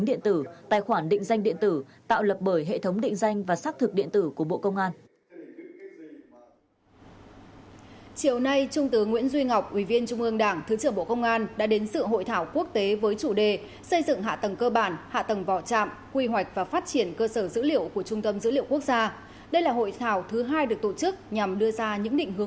và tương lai trung tâm dữ liệu quốc gia sẽ cần phải được kết nối